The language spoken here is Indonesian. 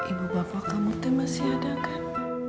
ibu bapak kamu tuh masih ada kan